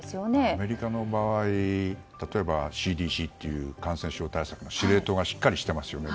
アメリカの場合は例えば、ＣＤＣという感染症対策の司令塔がしっかりしていますよね。